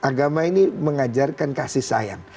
agama ini mengajarkan kasih sayang